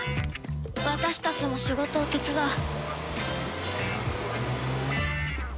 私たちも仕事を手伝う。